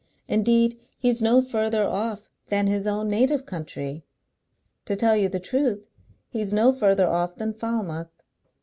Indeed, he's no further off than his own native country. To tell you the truth, he's no further off than Falmouth.